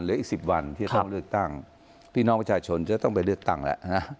เหลืออีก๑๐วันที่จะต้องเลือกตั้งพี่น้องประชาชนจะต้องไปเลือกตั้งแล้ว